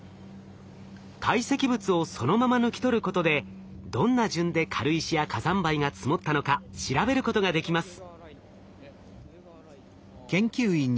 堆積物をそのまま抜き取ることでどんな順で軽石や火山灰が積もったのか調べることができます。